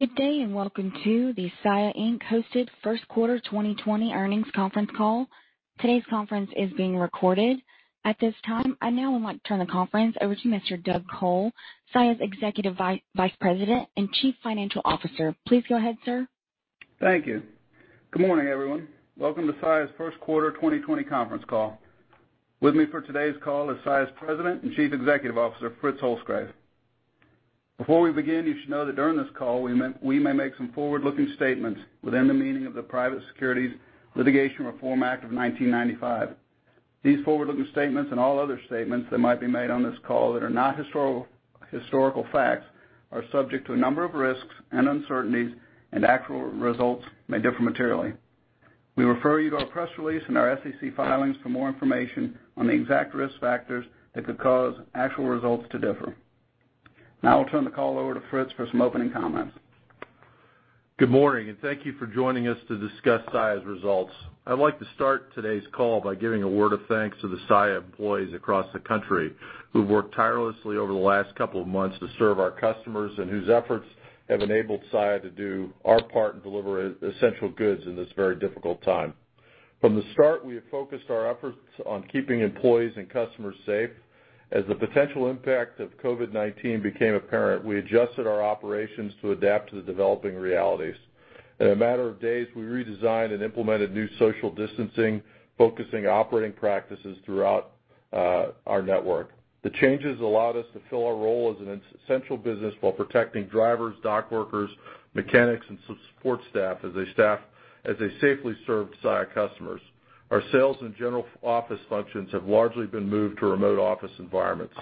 Good day, welcome to the Saia Inc.-hosted first quarter 2020 earnings conference call. Today's conference is being recorded. At this time, I now would like to turn the conference over to Mr. Doug Col, Saia's Executive Vice President and Chief Financial Officer. Please go ahead, sir. Thank you. Good morning, everyone. Welcome to Saia's first quarter 2020 conference call. With me for today's call is Saia's President and Chief Executive Officer, Fritz Holzgrefe. Before we begin, you should know that during this call, we may make some forward-looking statements within the meaning of the Private Securities Litigation Reform Act of 1995. These forward-looking statements, and all other statements that might be made on this call that are not historical facts, are subject to a number of risks and uncertainties, and actual results may differ materially. We refer you to our press release and our SEC filings for more information on the exact risk factors that could cause actual results to differ. Now, I'll turn the call over to Fritz for some opening comments. Good morning, thank you for joining us to discuss Saia's results. I'd like to start today's call by giving a word of thanks to the Saia employees across the country who've worked tirelessly over the last couple of months to serve our customers and whose efforts have enabled Saia to do our part and deliver essential goods in this very difficult time. From the start, we have focused our efforts on keeping employees and customers safe. As the potential impact of COVID-19 became apparent, we adjusted our operations to adapt to the developing realities. In a matter of days, we redesigned and implemented new social distancing, focusing operating practices throughout our network. The changes allowed us to fill our role as an essential business while protecting drivers, dock workers, mechanics, and support staff as they safely served Saia customers. Our sales and general office functions have largely been moved to remote office environments.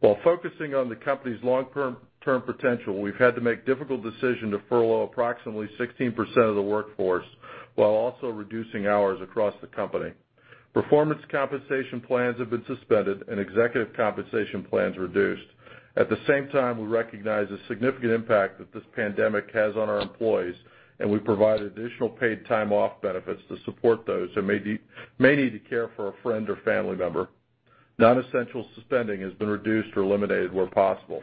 While focusing on the company's long-term potential, we've had to make difficult decision to furlough approximately 16% of the workforce while also reducing hours across the company. Performance compensation plans have been suspended, and executive compensation plans reduced. At the same time, we recognize the significant impact that this pandemic has on our employees, and we provide additional paid time off benefits to support those who may need to care for a friend or family member. Non-essential spending has been reduced or eliminated where possible.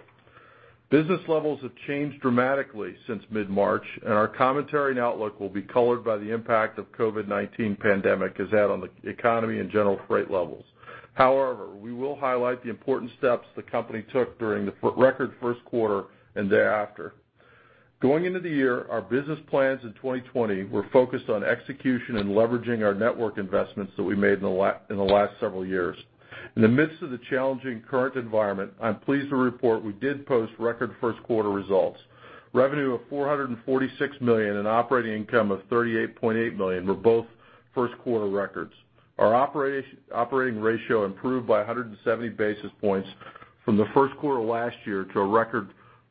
Business levels have changed dramatically since mid-March, and our commentary and outlook will be colored by the impact the COVID-19 pandemic has had on the economy and general freight levels. However, we will highlight the important steps the company took during the record first quarter and thereafter. Going into the year, our business plans in 2020 were focused on execution and leveraging our network investments that we made in the last several years. In the midst of the challenging current environment, I'm pleased to report we did post record first-quarter results. Revenue of $446 million and operating income of $38.8 million were both first-quarter records. Our operating ratio improved by 170 basis points from the first quarter last year to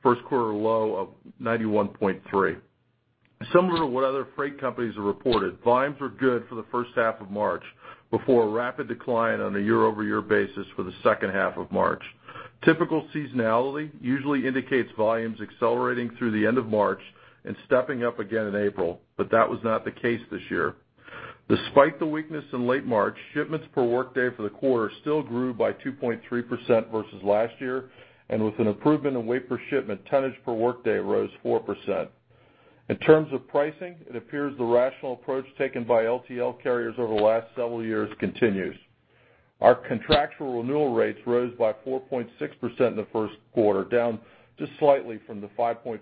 a record first-quarter low of 91.3. Similar to what other freight companies have reported, volumes were good for the first half of March before a rapid decline on a year-over-year basis for the second half of March. Typical seasonality usually indicates volumes accelerating through the end of March and stepping up again in April. That was not the case this year. Despite the weakness in late March, shipments per workday for the quarter still grew by 2.3% versus last year. With an improvement in weight per shipment, tonnage per workday rose 4%. In terms of pricing, it appears the rational approach taken by LTL carriers over the last several years continues. Our contractual renewal rates rose by 4.6% in the first quarter, down just slightly from the 5.4%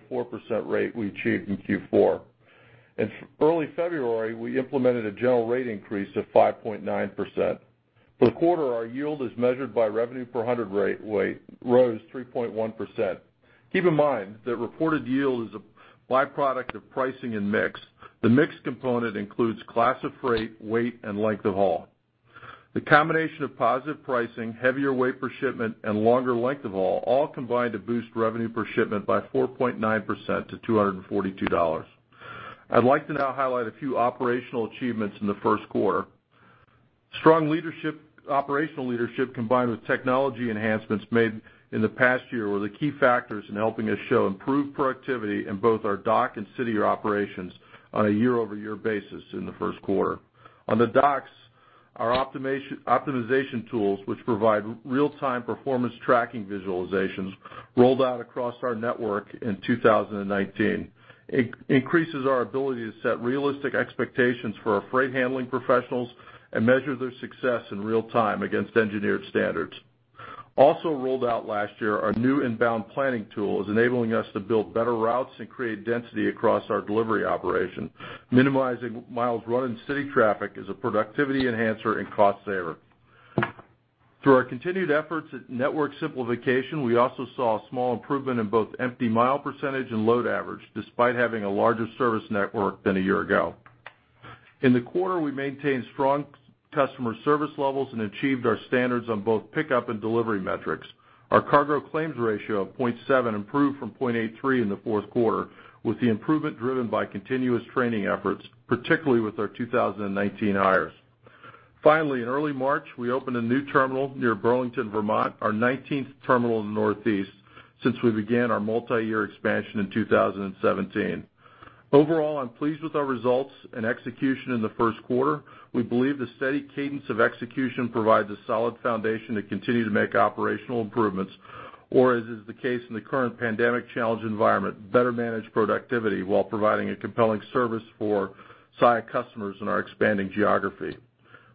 rate we achieved in Q4. In early February, we implemented a general rate increase of 5.9%. For the quarter, our yield as measured by revenue per hundredweight rose 3.1%. Keep in mind that reported yield is a byproduct of pricing and mix. The mix component includes class of freight, weight, and length of haul. The combination of positive pricing, heavier weight per shipment, and longer length of haul all combined to boost revenue per shipment by 4.9% to $242. I'd like to now highlight a few operational achievements in the first quarter. Strong operational leadership, combined with technology enhancements made in the past year, were the key factors in helping us show improved productivity in both our dock and city operations on a year-over-year basis in the first quarter. On the docks, our optimization tools, which provide real-time performance tracking visualizations rolled out across our network in 2019. It increases our ability to set realistic expectations for our freight handling professionals and measure their success in real time against engineered standards. Also rolled out last year, our new inbound planning tool is enabling us to build better routes and create density across our delivery operation. Minimizing miles run in city traffic is a productivity enhancer and cost saver. Through our continued efforts at network simplification, we also saw a small improvement in both empty mile percentage and load average, despite having a larger service network than a year ago. In the quarter, we maintained strong customer service levels and achieved our standards on both pickup and delivery metrics. Our cargo claims ratio of 0.7 improved from 0.83 in the fourth quarter, with the improvement driven by continuous training efforts, particularly with our 2019 hires. Finally, in early March, we opened a new terminal near Burlington, Vermont, our 19th terminal in the Northeast since we began our multi-year expansion in 2017. Overall, I'm pleased with our results and execution in the first quarter. We believe the steady cadence of execution provides a solid foundation to continue to make operational improvements, or as is the case in the current pandemic-challenged environment, better manage productivity while providing a compelling service for Saia customers in our expanding geography.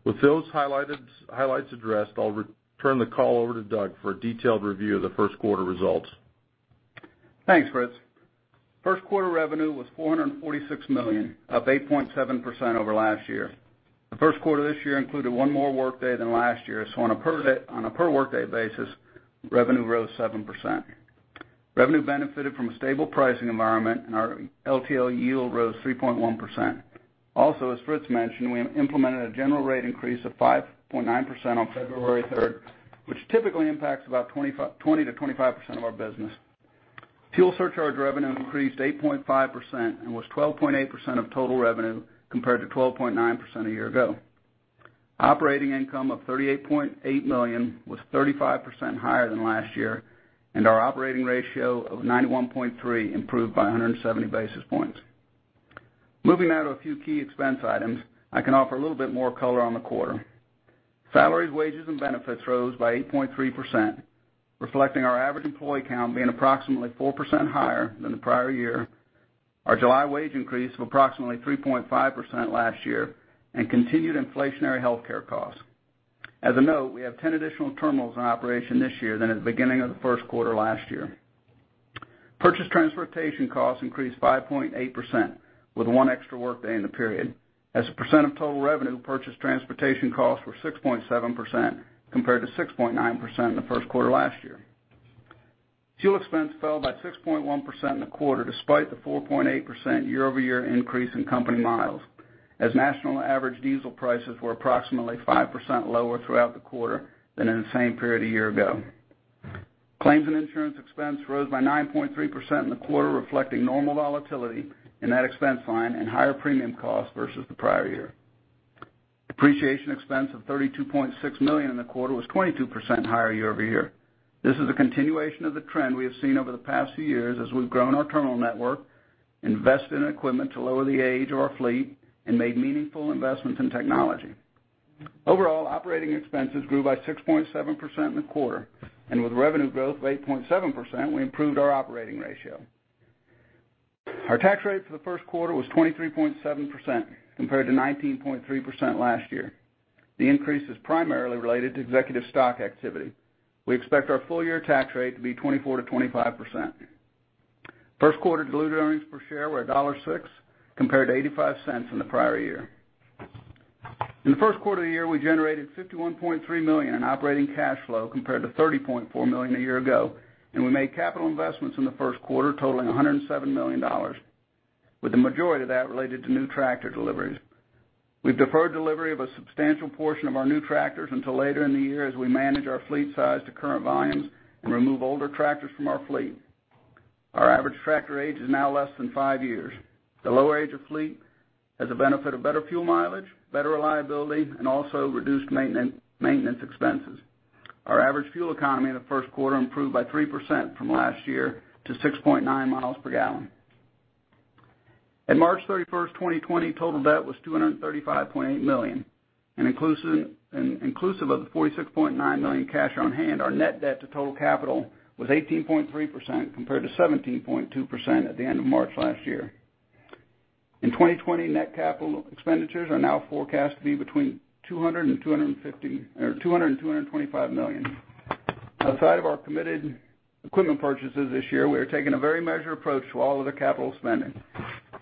With those highlights addressed, I'll turn the call over to Doug for a detailed review of the first quarter results. Thanks, Fritz. First quarter revenue was $446 million, up 8.7% over last year. The first quarter of this year included one more workday than last year, so on a per-workday basis, revenue rose 7%. Revenue benefited from a stable pricing environment, and our LTL yield rose 3.1%. Also, as Fritz mentioned, we implemented a general rate increase of 5.9% on February 3rd, which typically impacts about 20%-25% of our business. Fuel surcharge revenue increased 8.5% and was 12.8% of total revenue, compared to 12.9% a year ago. Operating income of $38.8 million was 35% higher than last year, and our operating ratio of 91.3% improved by 170 basis points. Moving now to a few key expense items, I can offer a little bit more color on the quarter. Salaries, wages, and benefits rose by 8.3%, reflecting our average employee count being approximately 4% higher than the prior year, our July wage increase of approximately 3.5% last year, and continued inflationary healthcare costs. As a note, we have 10 additional terminals in operation this year than at the beginning of the first quarter last year. Purchase transportation costs increased 5.8% with one extra workday in the period. As a percent of total revenue, purchase transportation costs were 6.7%, compared to 6.9% in the first quarter last year. Fuel expense fell by 6.1% in the quarter, despite the 4.8% year-over-year increase in company miles, as national average diesel prices were approximately 5% lower throughout the quarter than in the same period a year ago. Claims and insurance expense rose by 9.3% in the quarter, reflecting normal volatility in that expense line and higher premium costs versus the prior year. Depreciation expense of $32.6 million in the quarter was 22% higher year-over-year. This is a continuation of the trend we have seen over the past few years as we've grown our terminal network, invested in equipment to lower the age of our fleet, and made meaningful investments in technology. Overall, operating expenses grew by 6.7% in the quarter, and with revenue growth of 8.7%, we improved our operating ratio. Our tax rate for the first quarter was 23.7% compared to 19.3% last year. The increase is primarily related to executive stock activity. We expect our full-year tax rate to be 24%-25%. First quarter diluted earnings per share were $1.06 compared to $0.85 in the prior year. In the first quarter of the year, we generated $51.3 million in operating cash flow compared to $30.4 million a year ago, and we made capital investments in the first quarter totaling $107 million, with the majority of that related to new tractor deliveries. We've deferred delivery of a substantial portion of our new tractors until later in the year as we manage our fleet size to current volumes and remove older tractors from our fleet. Our average tractor age is now less than five years. The lower age of fleet has a benefit of better fuel mileage, better reliability, and also reduced maintenance expenses. Our average fuel economy in the first quarter improved by 3% from last year to 6.9 miles per gallon. At March 31st, 2020, total debt was $235.8 million, and inclusive of the $46.9 million cash on hand, our net debt to total capital was 18.3% compared to 17.2% at the end of March last year. In 2020, net capital expenditures are now forecast to be between $200 million and $225 million. Outside of our committed equipment purchases this year, we are taking a very measured approach to all other capital spending.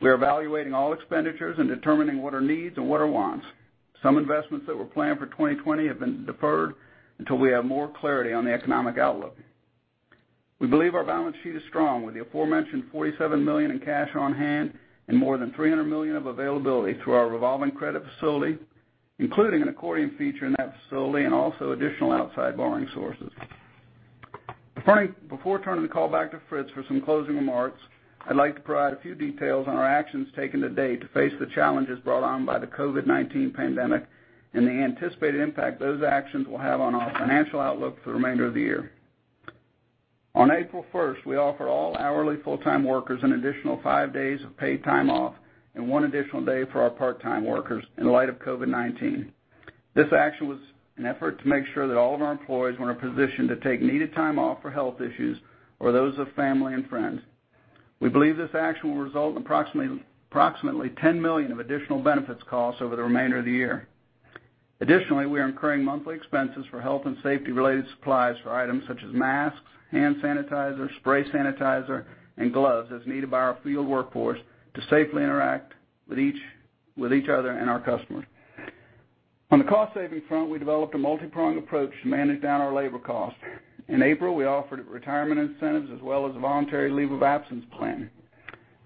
We are evaluating all expenditures and determining what are needs and what are wants. Some investments that were planned for 2020 have been deferred until we have more clarity on the economic outlook. We believe our balance sheet is strong with the aforementioned $47 million in cash on hand and more than $300 million of availability through our revolving credit facility, including an accordion feature in that facility and also additional outside borrowing sources. Before turning the call back to Fritz for some closing remarks, I'd like to provide a few details on our actions taken to date to face the challenges brought on by the COVID-19 pandemic and the anticipated impact those actions will have on our financial outlook for the remainder of the year. On April 1st, we offered all hourly full-time workers an additional five days of paid time off and one additional day for our part-time workers in light of COVID-19. This action was an effort to make sure that all of our employees were in a position to take needed time off for health issues or those of family and friends. We believe this action will result in approximately $10 million of additional benefits costs over the remainder of the year. Additionally, we are incurring monthly expenses for health and safety-related supplies for items such as masks, hand sanitizer, spray sanitizer, and gloves as needed by our field workforce to safely interact with each other and our customers. On the cost-saving front, we developed a multi-pronged approach to manage down our labor costs. In April, we offered retirement incentives as well as a voluntary leave of absence plan.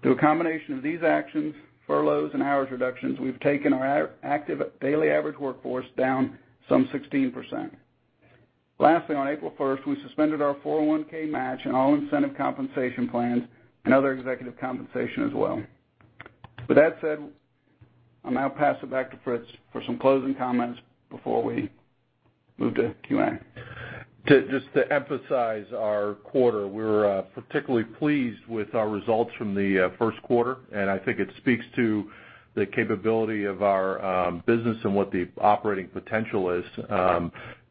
Through a combination of these actions, furloughs, and hours reductions, we've taken our active daily average workforce down some 16%. Lastly, on April 1st, we suspended our 401(k) match and all incentive compensation plans and other executive compensation as well. With that said, I'll now pass it back to Fritz for some closing comments before we move to Q&A. Just to emphasize our quarter, we're particularly pleased with our results from the first quarter, and I think it speaks to the capability of our business and what the operating potential is.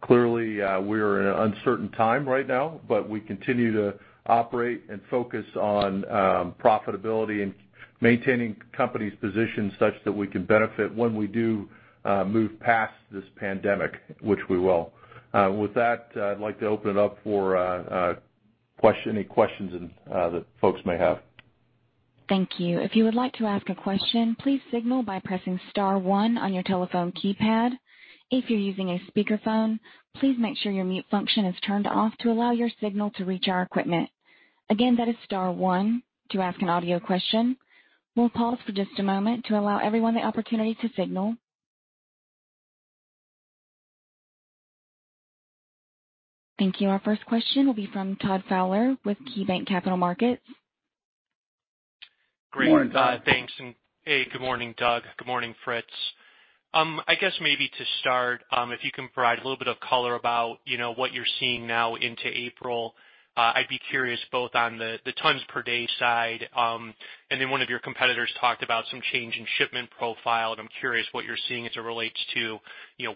Clearly, we're in an uncertain time right now, but we continue to operate and focus on profitability and maintaining company's position such that we can benefit when we do move past this pandemic, which we will. With that, I'd like to open it up for any questions that folks may have. Thank you. If you would like to ask a question, please signal by pressing star one on your telephone keypad. If you're using a speakerphone, please make sure your mute function is turned off to allow your signal to reach our equipment. Again, that is star one to ask an audio question. We'll pause for just a moment to allow everyone the opportunity to signal. Thank you. Our first question will be from Todd Fowler with KeyBanc Capital Markets. Good morning, Todd. Great. Thanks, and hey, good morning, Doug. Good morning, Fritz. I guess maybe to start, if you can provide a little bit of color about what you're seeing now into April. I'd be curious both on the tons per day side. Then one of your competitors talked about some change in shipment profile, and I'm curious what you're seeing as it relates to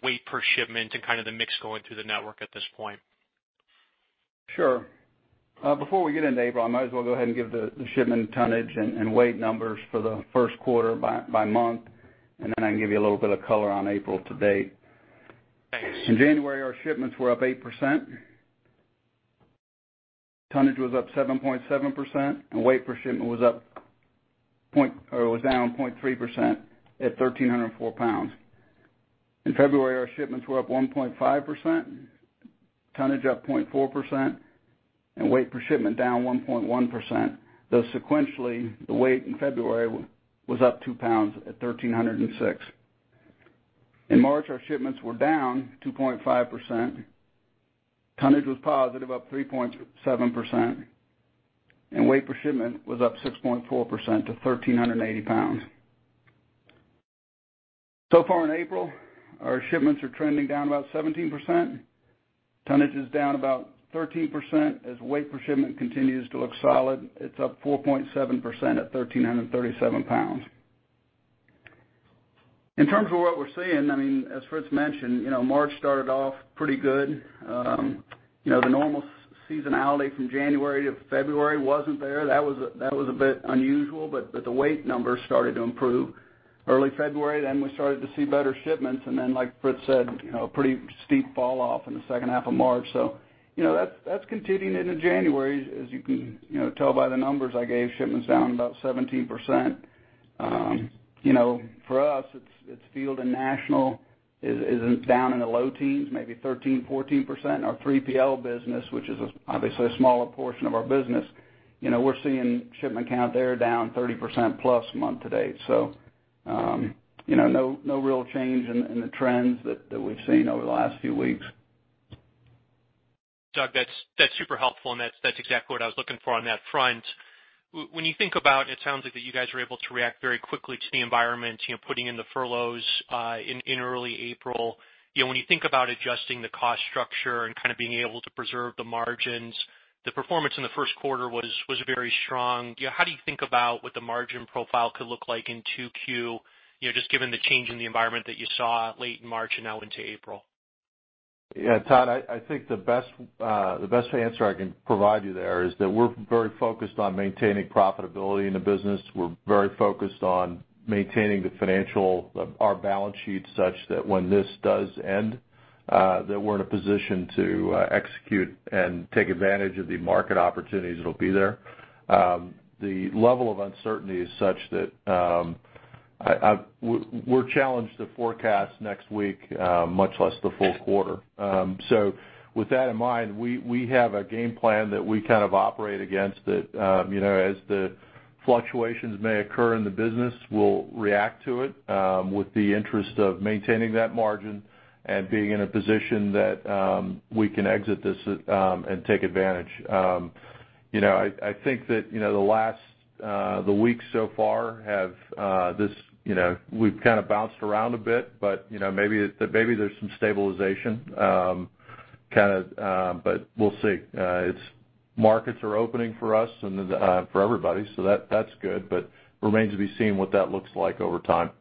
weight per shipment and the mix going through the network at this point. Sure. Before we get into April, I might as well go ahead and give the shipment tonnage and weight numbers for the first quarter by month, and then I can give you a little bit of color on April to date. Thanks. In January, our shipments were up 8%, tonnage was up 7.7%, and weight per shipment was down 0.3% at 1,304 pounds. In February, our shipments were up 1.5%, tonnage up 0.4%, and weight per shipment down 1.1%, though sequentially, the weight in February was up two pounds at 1,306. In March, our shipments were down 2.5%, tonnage was positive, up 3.7%, and weight per shipment was up 6.4% to 1,380 pounds. Far in April, our shipments are trending down about 17%, tonnage is down about 13%, as weight per shipment continues to look solid. It's up 4.7% at 1,337 pounds. In terms of what we're seeing, as Fritz mentioned, March started off pretty good. The normal seasonality from January to February wasn't there. That was a bit unusual, the weight numbers started to improve early February. We started to see better shipments, and then, like Fritz said, a pretty steep fall off in the second half of March. That's continuing into January. As you can tell by the numbers I gave, shipments down about 17%. For us, it's field and national is down in the low teens, maybe 13%, 14%. Our 3PL business, which is obviously a smaller portion of our business, we're seeing shipment count there down 30%+ month to date. No real change in the trends that we've seen over the last few weeks. Doug, that's super helpful, and that's exactly what I was looking for on that front. When you think about, it sounds like that you guys were able to react very quickly to the environment, putting in the furloughs in early April. When you think about adjusting the cost structure and being able to preserve the margins, the performance in the first quarter was very strong. How do you think about what the margin profile could look like in 2Q, just given the change in the environment that you saw late in March and now into April? Yeah, Todd, I think the best answer I can provide you there is that we're very focused on maintaining profitability in the business. We're very focused on maintaining our balance sheet such that when this does end, that we're in a position to execute and take advantage of the market opportunities that'll be there. The level of uncertainty is such that we're challenged to forecast next week, much less the full quarter. With that in mind, we have a game plan that we operate against that, as the fluctuations may occur in the business, we'll react to it with the interest of maintaining that margin and being in a position that we can exit this and take advantage. I think that the weeks so far We've bounced around a bit, but maybe there's some stabilization. We'll see. Markets are opening for us and for everybody, so that's good, but remains to be seen what that looks like over time.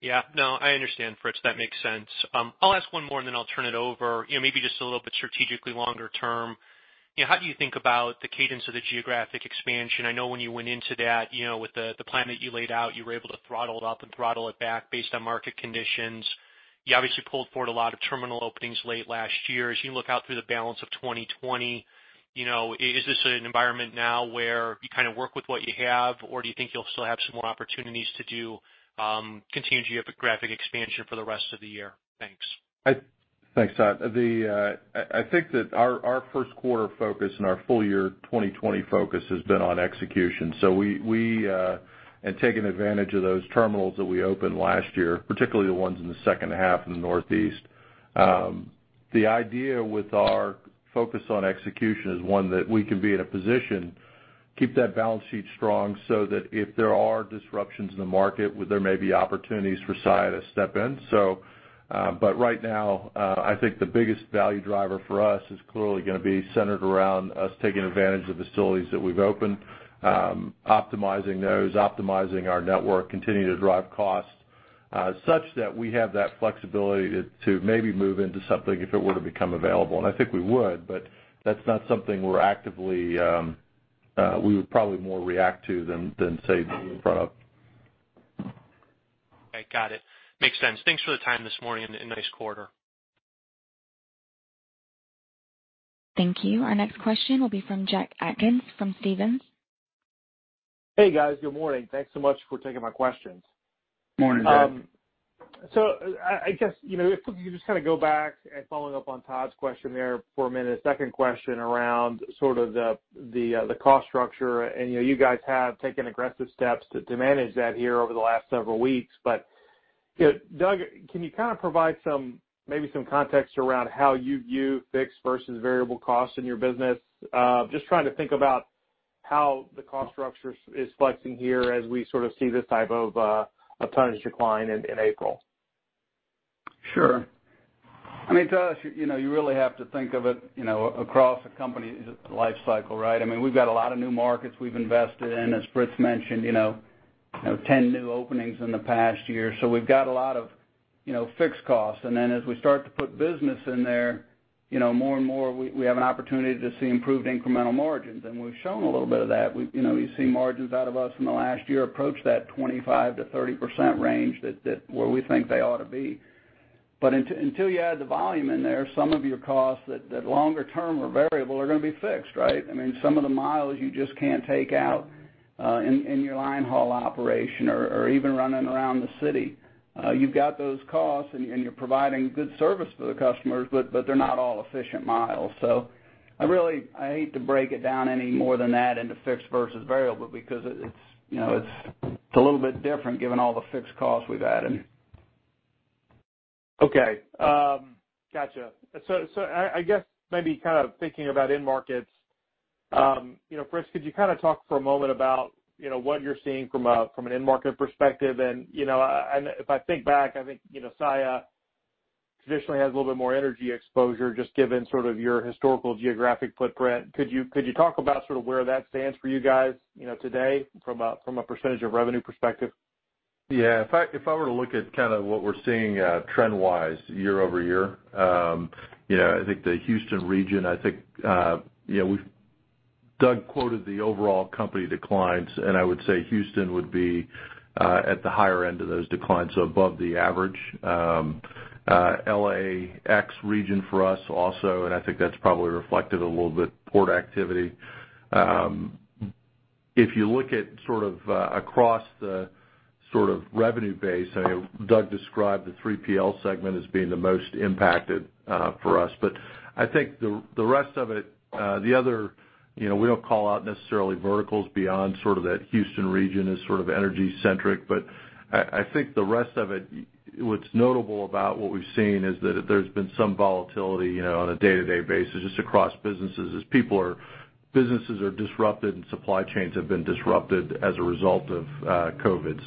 Yeah. No, I understand, Fritz. That makes sense. I'll ask one more, and then I'll turn it over. Maybe just a little bit strategically longer term, how do you think about the cadence of the geographic expansion? I know when you went into that with the plan that you laid out, you were able to throttle it up and throttle it back based on market conditions. You obviously pulled forward a lot of terminal openings late last year. As you look out through the balance of 2020, is this an environment now where you work with what you have, or do you think you'll still have some more opportunities to do continued geographic expansion for the rest of the year? Thanks. Thanks, Todd. I think that our first quarter focus and our full year 2020 focus has been on execution and taking advantage of those terminals that we opened last year, particularly the ones in the second half in the Northeast. The idea with our focus on execution is one that we can be in a position, keep that balance sheet strong, so that if there are disruptions in the market, there may be opportunities for Saia to step in. Right now, I think the biggest value driver for us is clearly going to be centered around us taking advantage of facilities that we've opened, optimizing those, optimizing our network, continuing to drive costs such that we have that flexibility to maybe move into something if it were to become available. I think we would, but that's not something we would probably more react to than say be in front of. Okay, got it. Makes sense. Thanks for the time this morning, and nice quarter. Thank you. Our next question will be from Jack Atkins from Stephens. Hey, guys. Good morning. Thanks so much for taking my questions. Morning, Jack. I guess, if you could just go back and following up on Todd's question there for a minute, a second question around the cost structure. You guys have taken aggressive steps to manage that here over the last several weeks. Doug, can you provide maybe some context around how you view fixed versus variable costs in your business? Just trying to think about how the cost structure is flexing here as we see this type of a tonnage decline in April. Sure. I mean, Todd, you really have to think of it across a company's life cycle, right? We've got a lot of new markets we've invested in. As Fritz mentioned, 10 new openings in the past year. We've got a lot of fixed costs. As we start to put business in there, more and more we have an opportunity to see improved incremental margins. We've shown a little bit of that. You see margins out of us from the last year approach that 25%-30% range, where we think they ought to be. Until you add the volume in there, some of your costs that longer-term are variable are going to be fixed, right? Some of the miles you just can't take out in your line haul operation or even running around the city. You've got those costs, and you're providing good service to the customers, but they're not all efficient miles. I hate to break it down any more than that into fixed versus variable because it's a little bit different, given all the fixed costs we've added. Okay. Got you. I guess maybe thinking about end markets, Fritz, could you talk for a moment about what you're seeing from an end market perspective? If I think back, I think Saia traditionally has a little bit more energy exposure, just given your historical geographic footprint. Could you talk about where that stands for you guys today from a percentage of revenue perspective? Yeah. If I were to look at what we're seeing trend-wise year-over-year, I think the Houston region, Doug quoted the overall company declines, and I would say Houston would be at the higher end of those declines, so above the average. LAX region for us also, and I think that's probably reflected a little bit port activity. If you look at across the revenue base, Doug described the 3PL segment as being the most impacted for us. I think the rest of it, we don't call out necessarily verticals beyond that Houston region as energy-centric. I think the rest of it, what's notable about what we've seen, is that there's been some volatility on a day-to-day basis just across businesses as businesses are disrupted and supply chains have been disrupted as a result of COVID.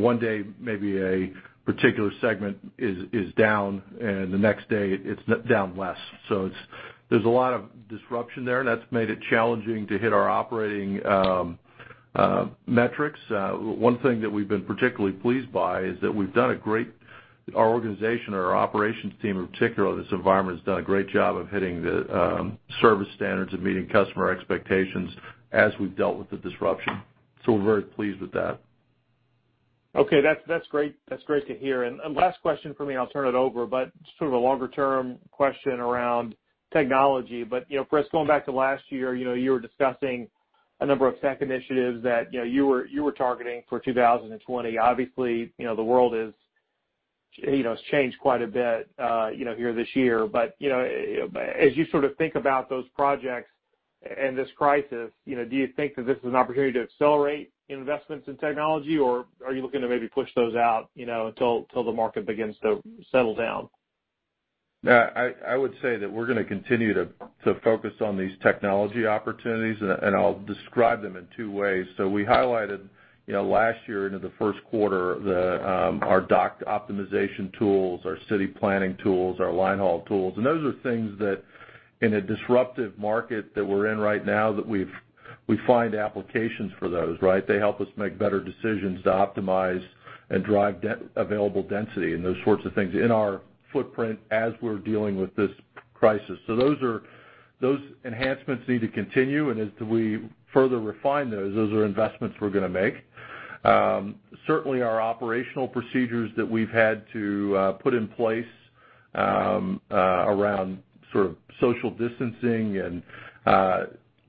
One day, maybe a particular segment is down, and the next day it's down less. There's a lot of disruption there, and that's made it challenging to hit our operating metrics. One thing that we've been particularly pleased by is that our organization, our operations team in particular, in this environment has done a great job of hitting the service standards and meeting customer expectations as we've dealt with the disruption. We're very pleased with that. Okay. That's great to hear. Last question from me, I'll turn it over, a longer-term question around technology. Fritz, going back to last year, you were discussing a number of tech initiatives that you were targeting for 2020. Obviously, the world has changed quite a bit here this year. As you think about those projects and this crisis, do you think that this is an opportunity to accelerate investments in technology, or are you looking to maybe push those out until the market begins to settle down? I would say that we're going to continue to focus on these technology opportunities, and I'll describe them in two ways. We highlighted last year into the first quarter our dock optimization tools, our city planning tools, our line haul tools. Those are things that in a disruptive market that we're in right now, that we find applications for those, right? They help us make better decisions to optimize and drive available density and those sorts of things in our footprint as we're dealing with this crisis. Those enhancements need to continue. As we further refine those are investments we're going to make. Certainly, our operational procedures that we've had to put in place around social distancing and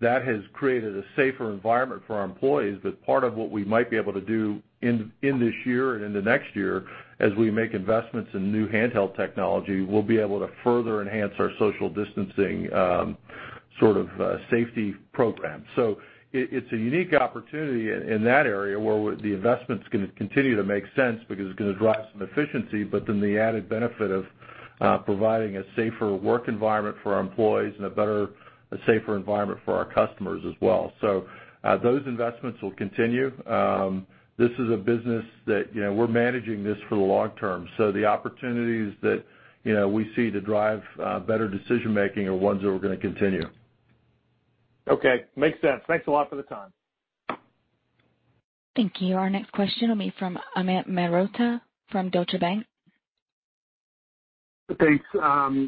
that has created a safer environment for our employees. Part of what we might be able to do in this year and in the next year, as we make investments in new handheld technology, we'll be able to further enhance our social distancing sort of safety program. It's a unique opportunity in that area where the investment's going to continue to make sense because it's going to drive some efficiency, the added benefit of providing a safer work environment for our employees and a better, a safer environment for our customers as well. Those investments will continue. This is a business that we're managing this for the long term. The opportunities that we see to drive better decision-making are ones that we're going to continue. Okay. Makes sense. Thanks a lot for the time. Thank you. Our next question will be from Amit Mehrotra from Deutsche Bank. Thanks.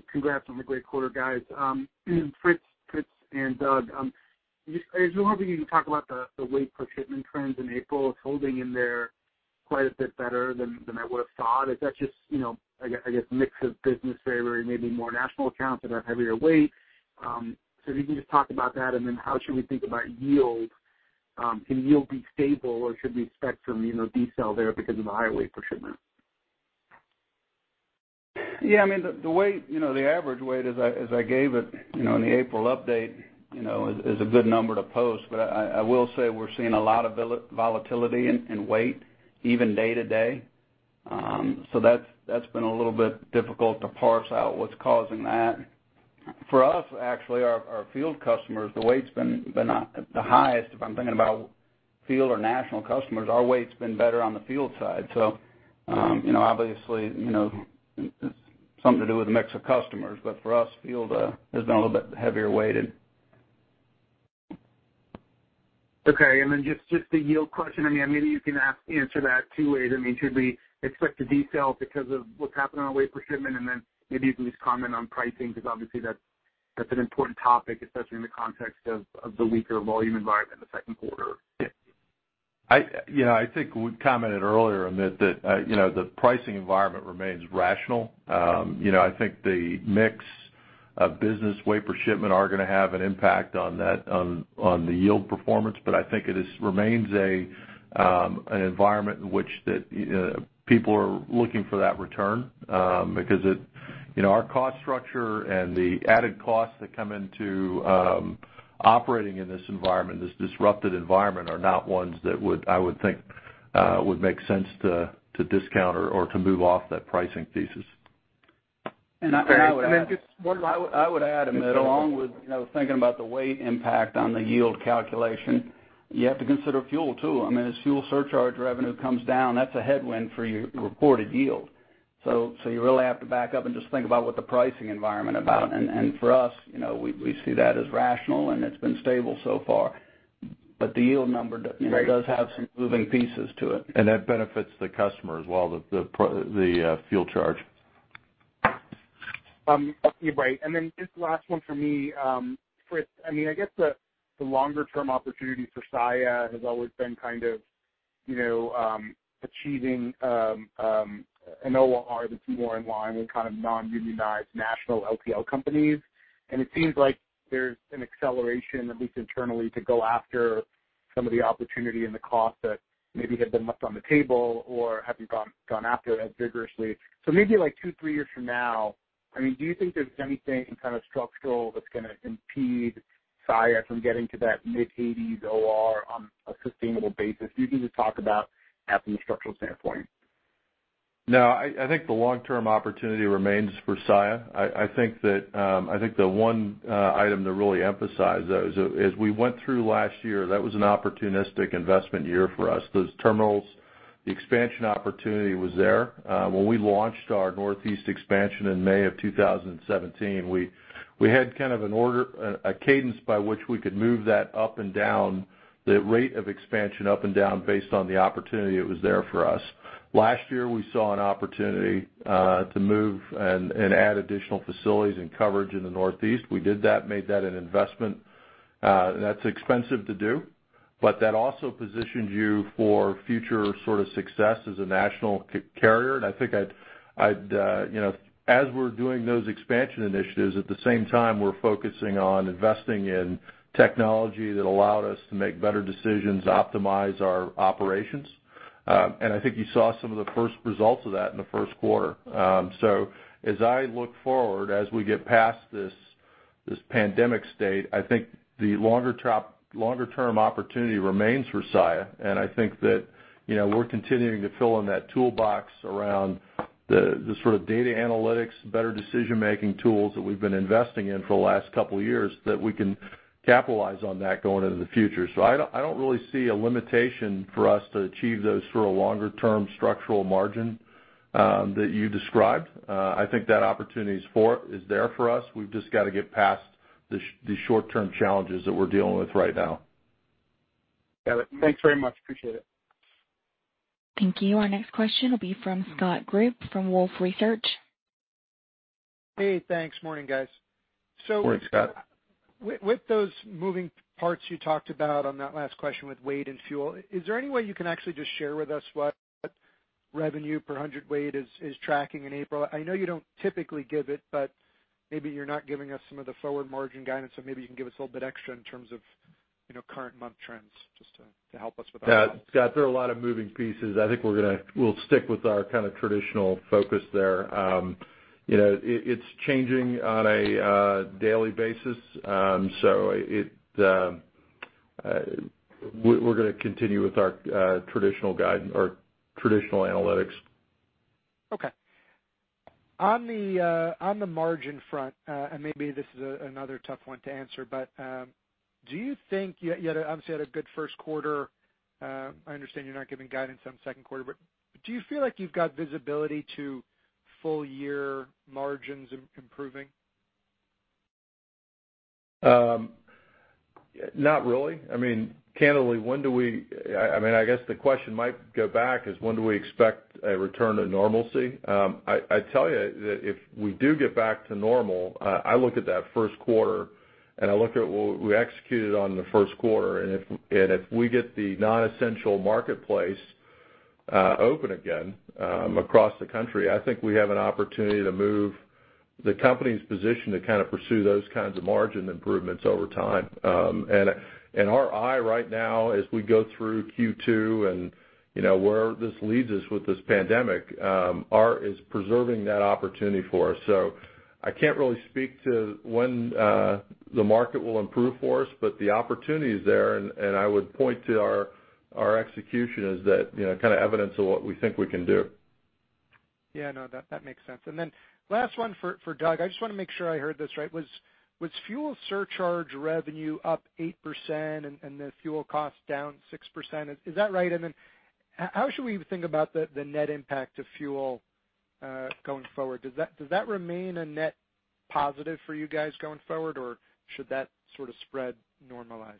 Congrats on the great quarter, guys. Fritz and Doug, I was wondering if you could talk about the weight per shipment trends in April. It's holding in there quite a bit better than I would've thought. Is that just, I guess, mix of business favor, maybe more national accounts that are heavier weight? If you could just talk about that, and then how should we think about yield? Can yield be stable, or should we expect some decel there because of the higher weight per shipment? Yeah. The average weight, as I gave it in the April update, is a good number to post, but I will say we're seeing a lot of volatility in weight even day to day. That's been a little bit difficult to parse out what's causing that. For us, actually, our field customers, the weight's been the highest. If I'm thinking about field or national customers, our weight's been better on the field side. Obviously, it's something to do with a mix of customers. For us, field has been a little bit heavier weighted. Okay. Just the yield question. Maybe you can answer that two ways. Should we expect a decel because of what's happening on weight per shipment? Maybe you can just comment on pricing because obviously that's an important topic, especially in the context of the weaker volume environment in the second quarter. I think we commented earlier, Amit, that the pricing environment remains rational. I think the mix of business weight per shipment are going to have an impact on the yield performance. I think it remains an environment in which people are looking for that return because our cost structure and the added costs that come into operating in this environment, this disrupted environment, are not ones that I would think would make sense to discount or to move off that pricing thesis. I would add, Amit, along with thinking about the weight impact on the yield calculation, you have to consider fuel, too. As fuel surcharge revenue comes down, that's a headwind for your reported yield. You really have to back up and just think about what the pricing environment about. For us, we see that as rational, and it's been stable so far. The yield number does have some moving pieces to it. That benefits the customer as well, the fuel charge. You're right. Then just last one from me. Fritz, I guess the longer-term opportunity for Saia has always been kind of achieving an OR that's more in line with kind of non-unionized national LTL companies. It seems like there's an acceleration, at least internally, to go after some of the opportunity and the cost that maybe had been left on the table or haven't gone after it as vigorously. Maybe like two, three years from now, do you think there's anything kind of structural that's going to impede Saia from getting to that mid-80s OR on a sustainable basis? If you can just talk about that from a structural standpoint. I think the long-term opportunity remains for Saia. I think the one item to really emphasize, though, is as we went through last year, that was an opportunistic investment year for us. Those terminals, the expansion opportunity was there. When we launched our Northeast expansion in May of 2017, we had kind of a cadence by which we could move that up and down, the rate of expansion up and down based on the opportunity that was there for us. Last year, we saw an opportunity to move and add additional facilities and coverage in the Northeast. We did that, made that an investment. That's expensive to do, but that also positions you for future sort of success as a national carrier. I think as we're doing those expansion initiatives, at the same time, we're focusing on investing in technology that allowed us to make better decisions, optimize our operations. I think you saw some of the first results of that in the first quarter. As I look forward, as we get past this pandemic state, I think the longer-term opportunity remains for Saia. I think that we're continuing to fill in that toolbox around the sort of data analytics, better decision-making tools that we've been investing in for the last couple of years that we can capitalize on that going into the future. I don't really see a limitation for us to achieve those for a longer-term structural margin that you described. I think that opportunity is there for us. We've just got to get past the short-term challenges that we're dealing with right now. Got it. Thanks very much. Appreciate it. Thank you. Our next question will be from Scott Group from Wolfe Research. Hey, thanks. Morning, guys. Morning, Scott. With those moving parts you talked about on that last question with weight and fuel, is there any way you can actually just share with us what revenue per hundredweight is tracking in April? I know you don't typically give it, but maybe you're not giving us some of the forward margin guidance, maybe you can give us a little bit extra in terms of, you know, current month trends, just to help us with our models. Yeah, Scott, there are a lot of moving pieces. I think we'll stick with our traditional focus there. It's changing on a daily basis, we're going to continue with our traditional guide or traditional analytics. Okay. On the margin front, and maybe this is another tough one to answer, but you obviously had a good first quarter. I understand you're not giving guidance on second quarter, but do you feel like you've got visibility to full-year margins improving? Not really. I mean, candidly, I guess the question might go back is, when do we expect a return to normalcy? I tell you that if we do get back to normal, I look at that first quarter, and I look at what we executed on in the first quarter, and if we get the non-essential marketplace open again across the country, I think we have an opportunity to move the company's position to pursue those kinds of margin improvements over time. Our eye right now, as we go through Q2 and where this leads us with this pandemic, is preserving that opportunity for us. I can't really speak to when the market will improve for us, but the opportunity is there, and I would point to our execution as that kind of evidence of what we think we can do. Yeah, no, that makes sense. Last one for Doug. I just want to make sure I heard this right. Was fuel surcharge revenue up 8% and the fuel cost down 6%? Is that right? How should we think about the net impact of fuel, going forward? Does that remain a net positive for you guys going forward, or should that sort of spread normalize?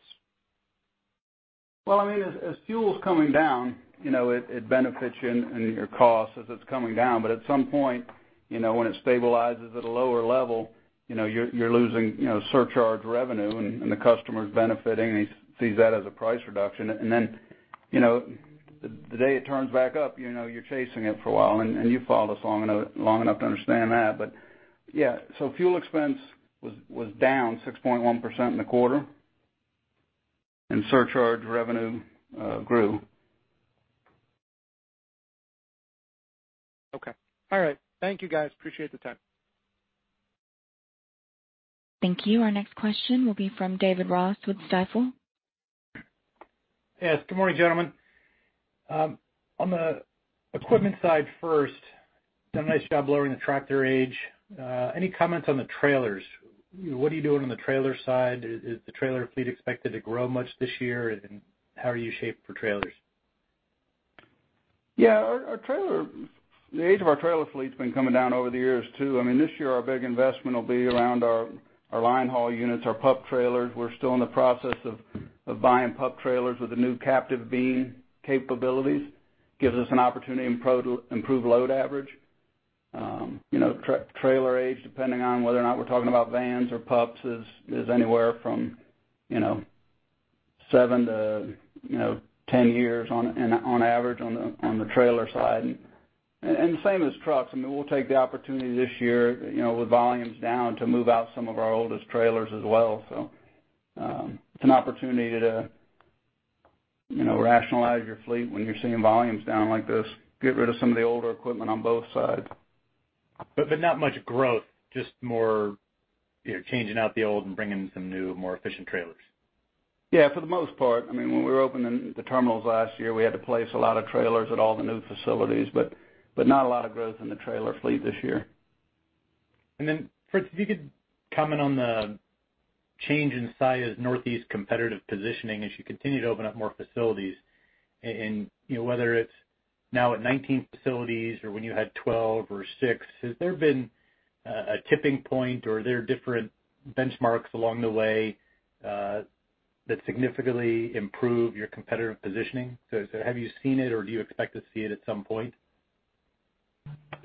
Well, as fuel's coming down, it benefits you in your costs as it's coming down. At some point, when it stabilizes at a lower level, you're losing surcharge revenue and the customer's benefiting, and he sees that as a price reduction. The day it turns back up, you're chasing it for a while, and you've followed us long enough to understand that. Yeah. Fuel expense was down 6.1% in the quarter, and surcharge revenue grew. Okay. All right. Thank you, guys. Appreciate the time. Thank you. Our next question will be from David Ross with Stifel. Yes. Good morning, gentlemen. On the equipment side first, done a nice job lowering the tractor age. Any comments on the trailers? What are you doing on the trailer side? Is the trailer fleet expected to grow much this year, and how are you shaped for trailers? Yeah. The age of our trailer fleet's been coming down over the years, too. This year, our big investment will be around our line haul units, our pup trailers. We're still in the process of buying pup trailers with the new captive beam capabilities. Gives us an opportunity to improve load average. Trailer age, depending on whether or not we're talking about vans or pups, is anywhere from seven to 10 years on average on the trailer side. Same as trucks. We'll take the opportunity this year, with volumes down, to move out some of our oldest trailers as well. It's an opportunity to rationalize your fleet when you're seeing volumes down like this. Get rid of some of the older equipment on both sides. Not much growth, just more changing out the old and bringing some new, more efficient trailers. Yeah, for the most part. When we were opening the terminals last year, we had to place a lot of trailers at all the new facilities, but not a lot of growth in the trailer fleet this year. Fritz, if you could comment on the change in Saia's Northeast competitive positioning as you continue to open up more facilities and whether it's now at 19 facilities or when you had 12 or six, has there been a tipping point, or are there different benchmarks along the way that significantly improve your competitive positioning? Have you seen it, or do you expect to see it at some point?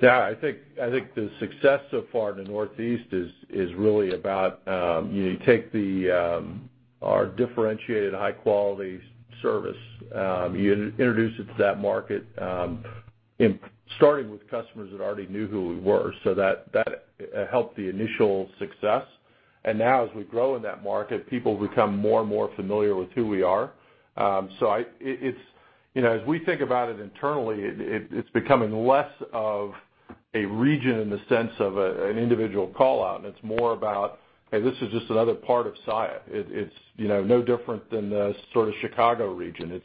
Yeah. I think the success so far in the Northeast is really about, you take our differentiated high-quality service, you introduce it to that market, starting with customers that already knew who we were. That helped the initial success. Now, as we grow in that market, people become more and more familiar with who we are. As we think about it internally, it's becoming less of a region in the sense of an individual call-out, and it's more about, hey, this is just another part of Saia. It's no different than the Chicago region.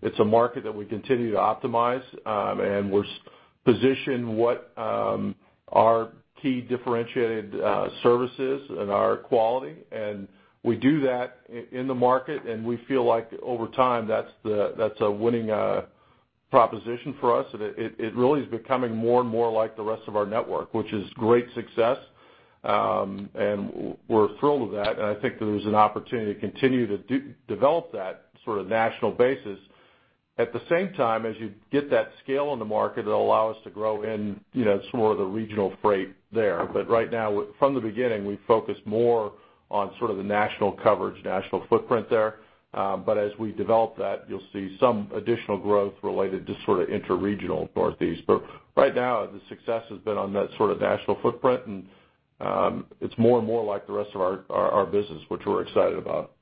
It's a market that we continue to optimize, and we position what our key differentiated service is and our quality, and we do that in the market, and we feel like over time, that's a winning proposition for us. It really is becoming more and more like the rest of our network, which is great success. We're thrilled with that, and I think there's an opportunity to continue to develop that sort of national basis. At the same time, as you get that scale in the market, it'll allow us to grow in some more of the regional freight there. Right now, from the beginning, we focused more on the national coverage, national footprint there. As we develop that, you'll see some additional growth related to inter-regional Northeast. Right now, the success has been on that national footprint, and it's more and more like the rest of our business, which we're excited about.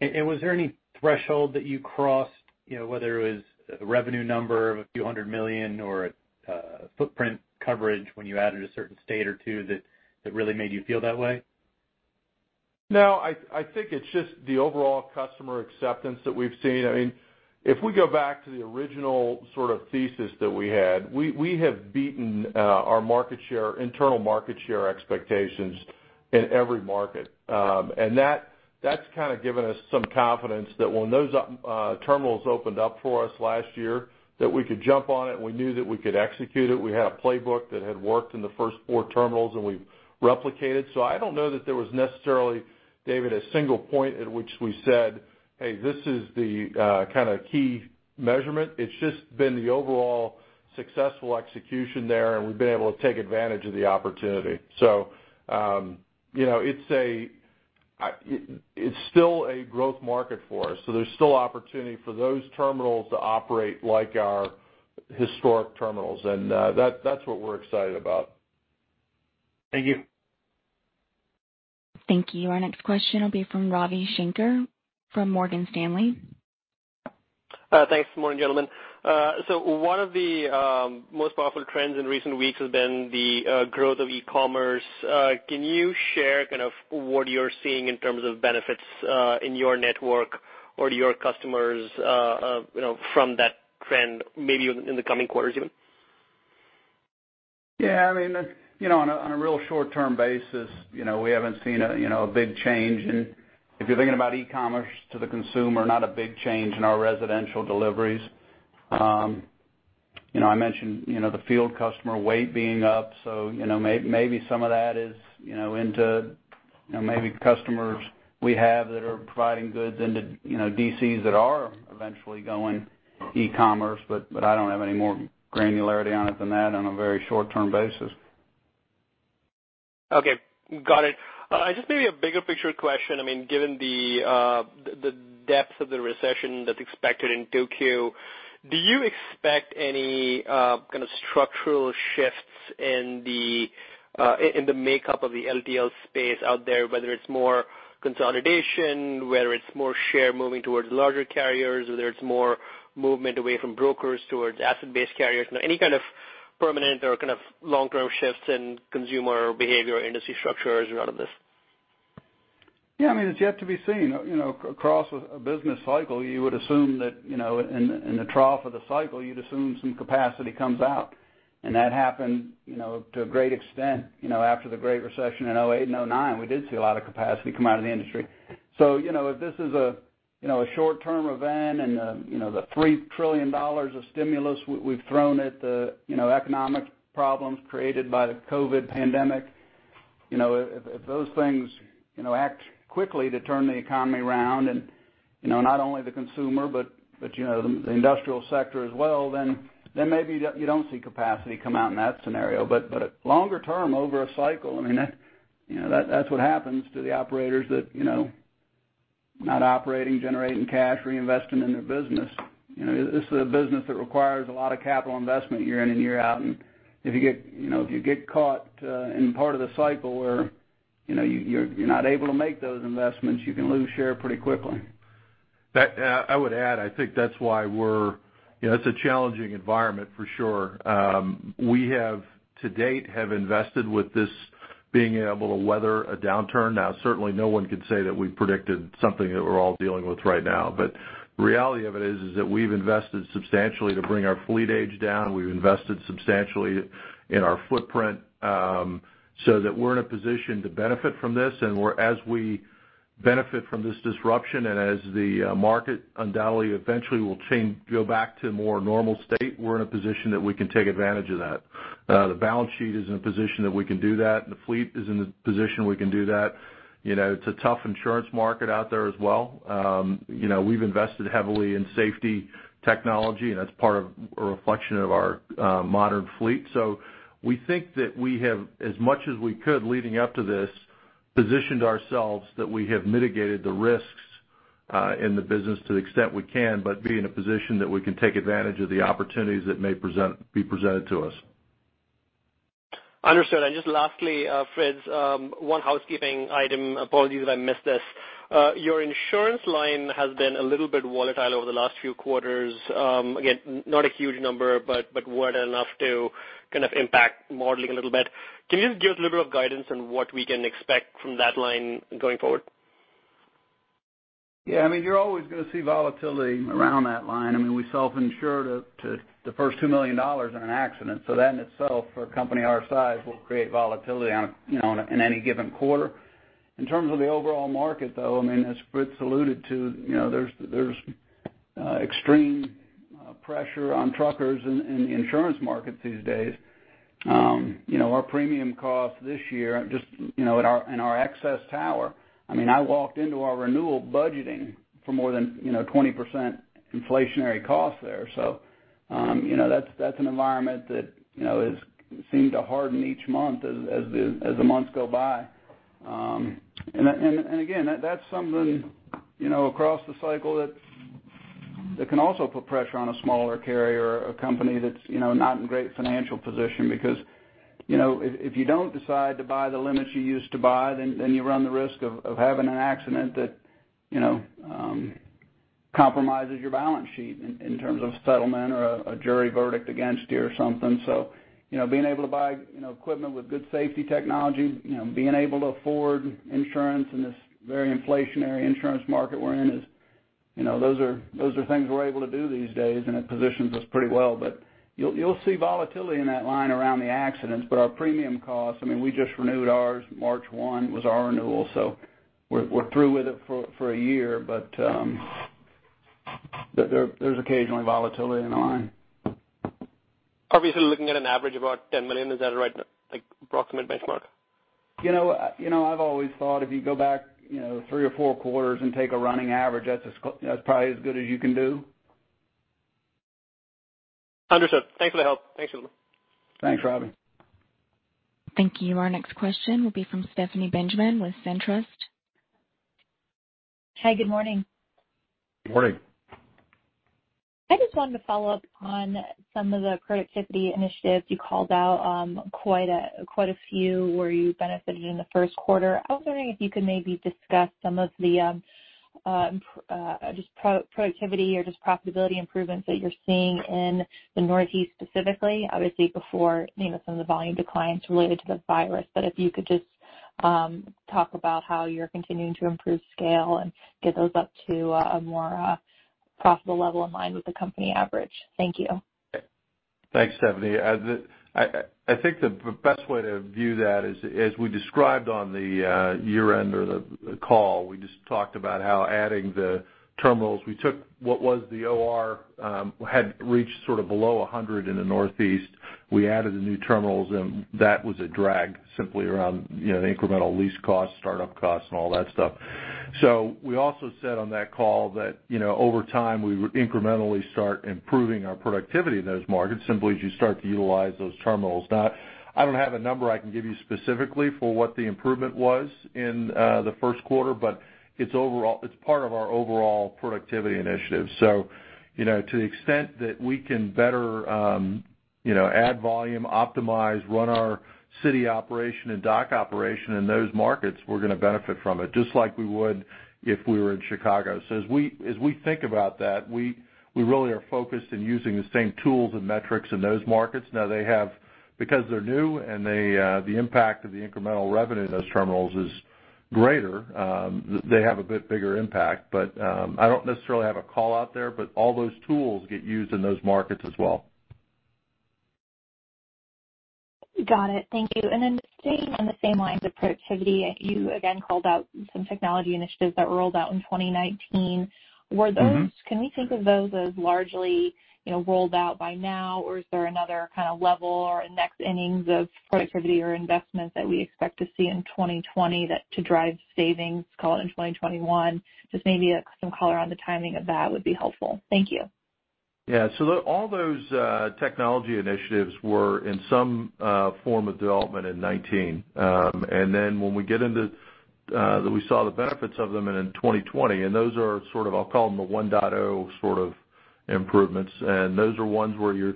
Was there any threshold that you crossed, whether it was a revenue number of a few hundred million or a footprint coverage when you added a certain state or two that really made you feel that way? I think it's just the overall customer acceptance that we've seen. If we go back to the original thesis that we had, we have beaten our internal market share expectations in every market. That's given us some confidence that when those terminals opened up for us last year, that we could jump on it, and we knew that we could execute it. We had a playbook that had worked in the first four terminals, and we've replicated. I don't know that there was necessarily, David, a single point at which we said, "Hey, this is the key measurement." It's just been the overall successful execution there, and we've been able to take advantage of the opportunity. It's still a growth market for us, so there's still opportunity for those terminals to operate like our historic terminals. That's what we're excited about. Thank you. Thank you. Our next question will be from Ravi Shanker from Morgan Stanley. Thanks. Good morning, gentlemen. One of the most powerful trends in recent weeks has been the growth of e-commerce. Can you share what you're seeing in terms of benefits in your network or to your customers from that trend, maybe in the coming quarters even? Yeah. On a real short-term basis, we haven't seen a big change in, if you're thinking about e-commerce to the consumer, not a big change in our residential deliveries. I mentioned the field customer weight being up, so maybe some of that is into maybe customers we have that are providing goods into DCs that are eventually going e-commerce, but I don't have any more granularity on it than that on a very short-term basis. Okay. Got it. Just maybe a bigger picture question. Given the depth of the recession that's expected in 2Q, do you expect any structural shifts in the makeup of the LTL space out there, whether it's more consolidation, whether it's more share moving towards larger carriers, whether it's more movement away from brokers towards asset-based carriers? Any kind of permanent or long-term shifts in consumer behavior or industry structures out of this? Yeah, it's yet to be seen. Across a business cycle, you would assume that in the trough of the cycle, you'd assume some capacity comes out. That happened to a great extent after the Great Recession in 2008 and 2009. We did see a lot of capacity come out of the industry. If this is a short-term event and the $3 trillion of stimulus we've thrown at the economic problems created by the COVID pandemic, if those things act quickly to turn the economy around and not only the consumer but the industrial sector as well, then maybe you don't see capacity come out in that scenario. Longer term, over a cycle, that's what happens to the operators that not operating, generating cash, reinvesting in their business. This is a business that requires a lot of capital investment year in and year out, and if you get caught in part of the cycle where you're not able to make those investments, you can lose share pretty quickly. I would add, it's a challenging environment for sure. We have, to date, have invested with this being able to weather a downturn. Now, certainly no one can say that we predicted something that we're all dealing with right now. The reality of it is that we've invested substantially to bring our fleet age down. We've invested substantially in our footprint, so that we're in a position to benefit from this. As we benefit from this disruption and as the market undoubtedly eventually will go back to a more normal state, we're in a position that we can take advantage of that. The balance sheet is in a position that we can do that. The fleet is in a position we can do that. It's a tough insurance market out there as well. We've invested heavily in safety technology, and that's part of a reflection of our modern fleet. We think that we have, as much as we could leading up to this, positioned ourselves that we have mitigated the risks in the business to the extent we can, but be in a position that we can take advantage of the opportunities that may be presented to us. Understood. Just lastly, Fritz, one housekeeping item. Apologies if I missed this. Your insurance line has been a little bit volatile over the last few quarters. Again, not a huge number, but worth enough to impact modeling a little bit. Can you just give us a little bit of guidance on what we can expect from that line going forward? Yeah. You're always going to see volatility around that line. We self-insure to the first $2 million in an accident. That in itself, for a company our size, will create volatility in any given quarter. In terms of the overall market, though, as Fritz alluded to, there's extreme pressure on truckers in the insurance market these days. Our premium cost this year, just in our excess tower, I walked into our renewal budgeting for more than 20% inflationary cost there. That's an environment that seems to harden each month as the months go by. Again, that's something across the cycle that can also put pressure on a smaller carrier or a company that's not in great financial position, because if you don't decide to buy the limits you used to buy, then you run the risk of having an accident that compromises your balance sheet in terms of settlement or a jury verdict against you or something. Being able to buy equipment with good safety technology, being able to afford insurance in this very inflationary insurance market we're in, those are things we're able to do these days, and it positions us pretty well. You'll see volatility in that line around the accidents. Our premium costs, we just renewed ours. March 1 was our renewal. We're through with it for a year. There's occasionally volatility in the line. Obviously, looking at an average about $10 million, is that a right approximate benchmark? I've always thought if you go back three or four quarters and take a running average, that's probably as good as you can do. Understood. Thanks for the help. Thanks. Thanks, Ravi. Thank you. Our next question will be from Stephanie Benjamin with SunTrust. Hi, good morning. Good morning. I just wanted to follow up on some of the productivity initiatives you called out, quite a few where you benefited in the first quarter. I was wondering if you could maybe discuss some of the productivity or just profitability improvements that you're seeing in the Northeast, specifically, obviously, before some of the volume declines related to the virus. If you could just talk about how you're continuing to improve scale and get those up to a more profitable level in line with the company average. Thank you. Thanks, Stephanie. I think the best way to view that is, as we described on the year-end or the call, we just talked about how adding the terminals we took, what was the OR, had reached sort of below 100 in the Northeast. We added the new terminals, that was a drag simply around the incremental lease costs, startup costs, and all that stuff. We also said on that call that over time, we would incrementally start improving our productivity in those markets simply as you start to utilize those terminals. Now, I don't have a number I can give you specifically for what the improvement was in the first quarter, but it's part of our overall productivity initiative. To the extent that we can better add volume, optimize, run our city operation and dock operation in those markets, we're going to benefit from it, just like we would if we were in Chicago. As we think about that, we really are focused in using the same tools and metrics in those markets. Now they have, because they're new and the impact of the incremental revenue in those terminals is greater, they have a bit bigger impact. I don't necessarily have a call out there, but all those tools get used in those markets as well. Got it. Thank you. Staying on the same lines of productivity, you again called out some technology initiatives that rolled out in 2019. Can we think of those as largely rolled out by now? Is there another kind of level or next innings of productivity or investments that we expect to see in 2020 to drive savings call in 2021? Just maybe some color on the timing of that would be helpful. Thank you. Yeah. All those technology initiatives were in some form of development in 2019. We saw the benefits of them in 2020, and those are sort of, I'll call them the 1.0 sort of improvements. Those are ones where you're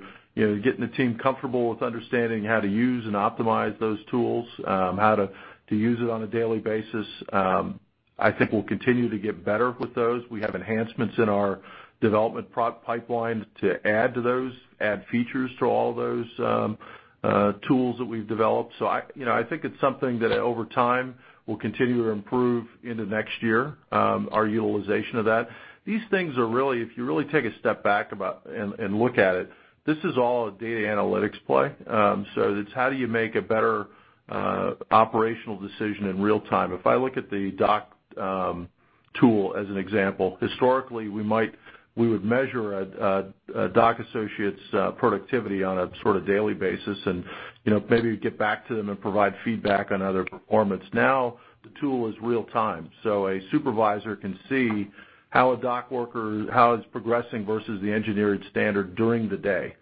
getting the team comfortable with understanding how to use and optimize those tools, how to use it on a daily basis. I think we'll continue to get better with those. We have enhancements in our development product pipeline to add to those, add features to all those tools that we've developed. I think it's something that, over time, will continue to improve into next year our utilization of that. These things are really, if you really take a step back and look at it, this is all a data analytics play. It's how do you make a better operational decision in real time? If I look at the dock tool as an example, historically, we would measure a dock associate's productivity on a sort of daily basis and maybe get back to them and provide feedback on their performance. Now the tool is real-time, so a supervisor can see how a dock worker, how it's progressing versus the engineered standard during the day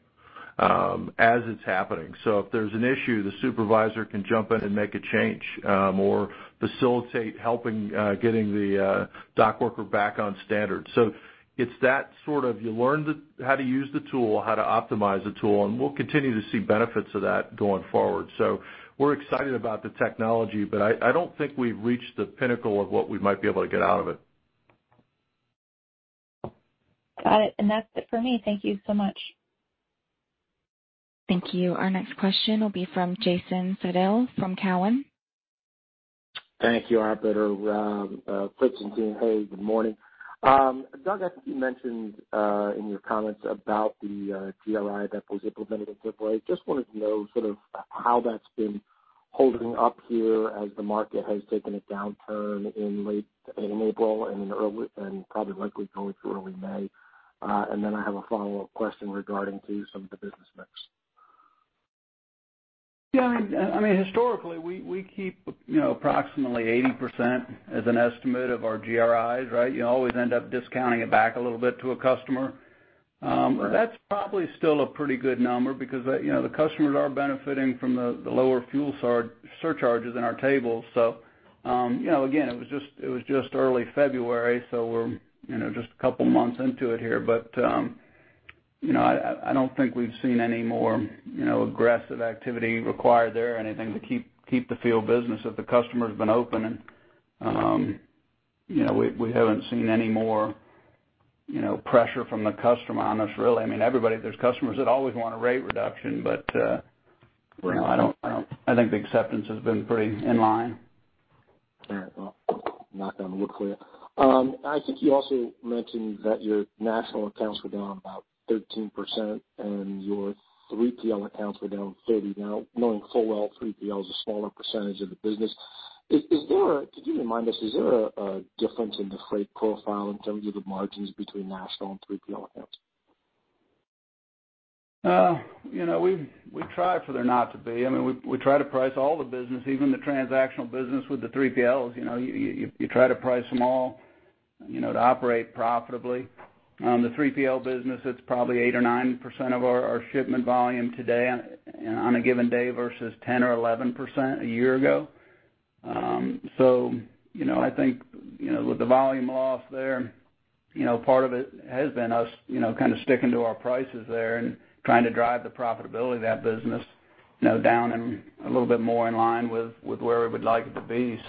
as it's happening. If there's an issue, the supervisor can jump in and make a change or facilitate helping getting the dock worker back on standard. It's that sort of, you learn how to use the tool, how to optimize the tool, and we'll continue to see benefits of that going forward. We're excited about the technology, but I don't think we've reached the pinnacle of what we might be able to get out of it. Got it. That's it for me. Thank you so much. Thank you. Our next question will be from Jason Seidl from Cowen. Thank you, operator. Fritz and team, hey, good morning. Doug, I think you mentioned in your comments about the GRI that was implemented into play. Just wanted to know sort of how that's been holding up here, as the market has taken a downturn in late April and probably likely going through early May. Then I have a follow-up question regarding to some of the business mix. Yeah, historically, we keep approximately 80% as an estimate of our GRIs, right? You always end up discounting it back a little bit to a customer. That's probably still a pretty good number because the customers are benefiting from the lower fuel surcharges in our tables. Again, it was just early February. We're just a couple of months into it here. I don't think we've seen any more aggressive activity required there or anything to keep the field business that the customer's been open. We haven't seen any more pressure from the customer on us, really. I mean, there's customers that always want a rate reduction. I think the acceptance has been pretty in line. All right, well, knock on wood for you. I think you also mentioned that your national accounts were down about 13%, and your 3PL accounts were down 30%. Knowing full well 3PL is a smaller percentage of the business, could you remind us is there a difference in the freight profile in terms of the margins between national and 3PL accounts? We try for there not to be. We try to price all the business, even the transactional business with the 3PLs. You try to price them all to operate profitably. The 3PL business, it's probably 8% or 9% of our shipment volume today on a given day versus 10% or 11% a year ago. I think with the volume loss there, part of it has been us kind of sticking to our prices there and trying to drive the profitability of that business down and a little bit more in line with where we would like it to be.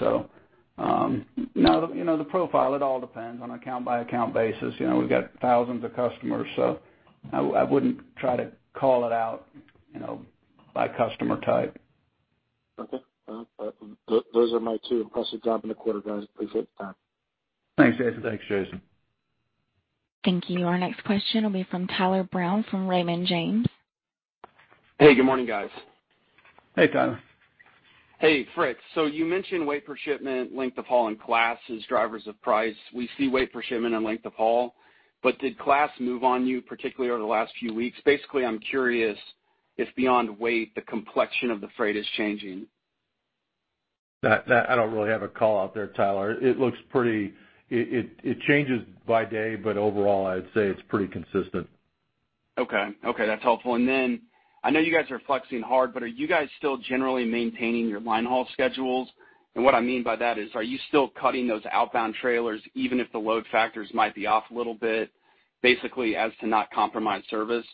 The profile, it all depends on an account-by-account basis. We've got thousands of customers, so I wouldn't try to call it out by customer type. Okay. Those are my two. Impressive job in the quarter, guys. Appreciate the time. Thanks, Jason. Thanks, Jason. Thank you. Our next question will be from Tyler Brown from Raymond James. Hey, good morning, guys. Hey, Tyler. Hey, Fritz. You mentioned weight per shipment, length of haul, and class as drivers of price. We see weight per shipment and length of haul, but did class move on you, particularly over the last few weeks? Basically, I'm curious if, beyond weight, the complexion of the freight is changing. That I don't really have a call out there, Tyler. It changes by day, but overall, I'd say it's pretty consistent. Okay. That's helpful. I know you guys are flexing hard, but are you guys still generally maintaining your line haul schedules? What I mean by that is, are you still cutting those outbound trailers even if the load factors might be off a little bit, basically as to not compromise service?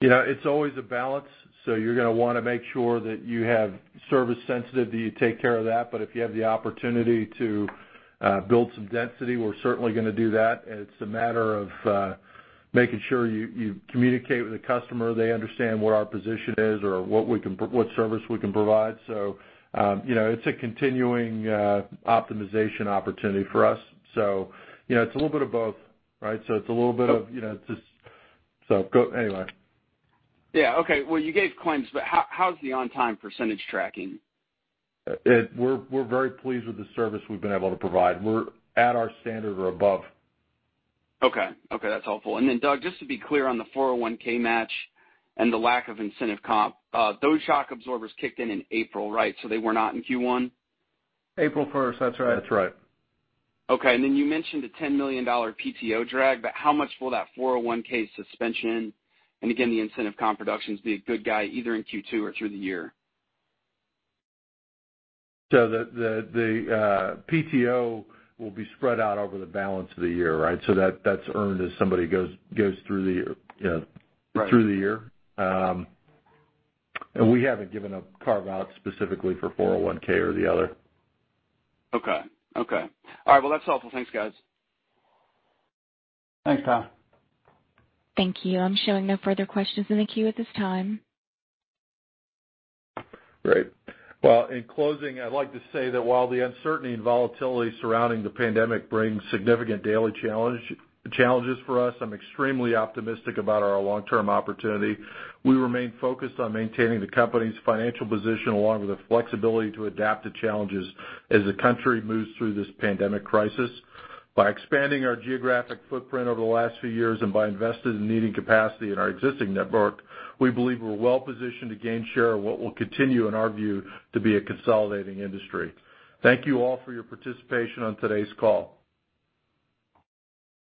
It's always a balance. You're going to want to make sure that you have service sensitive, that you take care of that. If you have the opportunity to build some density, we're certainly going to do that. It's a matter of making sure you communicate with the customer, they understand what our position is or what service we can provide. It's a continuing optimization opportunity for us. It's a little bit of both, right? It's a little bit of just go anyway. Yeah. Okay. Well, you gave claims, but how's the on-time percentage tracking? We're very pleased with the service we've been able to provide. We're at our standard or above. Okay. That's helpful. Doug, just to be clear on the 401(k) match and the lack of incentive comp, those shock absorbers kicked in in April, right? So they were not in Q1? April 1st. That's right. That's right. Okay. You mentioned a $10 million PTO drag, but how much will that 401(k) suspension, and again, the incentive comp reductions be a good guy either in Q2 or through the year? The PTO will be spread out over the balance of the year, right? That's earned as somebody goes through the year. Right. We haven't given a carve-out specifically for 401(k) or the other. Okay. All right. Well, that's helpful. Thanks, guys. Thanks, Tyler. Thank you. I'm showing no further questions in the queue at this time. Great. Well, in closing, I'd like to say that while the uncertainty and volatility surrounding the pandemic brings significant daily challenges for us, I'm extremely optimistic about our long-term opportunity. We remain focused on maintaining the company's financial position, along with the flexibility to adapt to challenges as the country moves through this pandemic crisis. By expanding our geographic footprint over the last few years and by investing in needing capacity in our existing network, we believe we're well positioned to gain share of what will continue, in our view, to be a consolidating industry. Thank you all for your participation on today's call.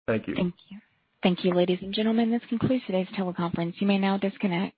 Thank you. Thank you. Thank you, ladies and gentlemen. This concludes today's teleconference. You may now disconnect.